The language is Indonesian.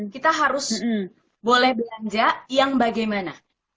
kita harus boleh belanja yang bagaimana